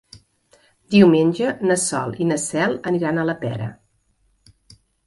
Diumenge na Sol i na Cel aniran a la Pera.